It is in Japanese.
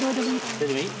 どれでもいい？